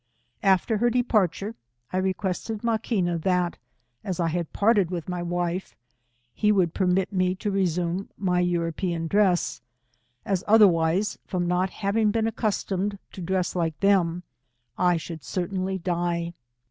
After her departure, I requested Maqui ua, that, as I had parted with my wife, he would permit me to resume my European dress, as, other wise, from not having been accustomed to dress like them, I should certainly die.